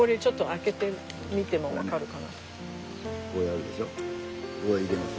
こうやるでしょ？